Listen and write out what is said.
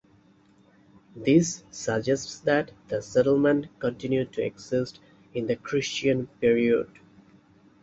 This suggests that the settlement continued to exist in the Christian period.